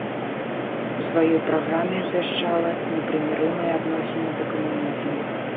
У сваёй праграме абвяшчала непрымірымыя адносіны да камунізму.